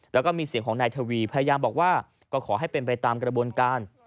แล้วก็มีเสียงของนายทวีพยายามบอกว่าก็ขอให้เป็นไปตามกระบวนการ